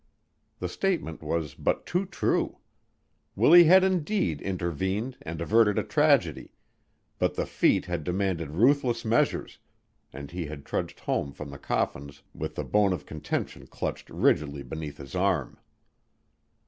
The statement was but too true. Willie had indeed intervened and averted a tragedy, but the feat had demanded ruthless measures, and he had trudged home from the Coffins with the bone of contention clutched rigidly beneath his arm.